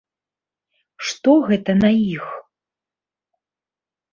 Што гэта на іх?